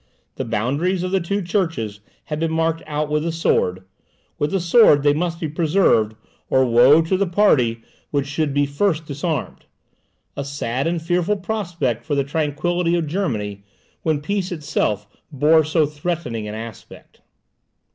The boundaries of the two churches had been marked out with the sword; with the sword they must be preserved, or woe to that party which should be first disarmed! A sad and fearful prospect for the tranquillity of Germany, when peace itself bore so threatening an aspect.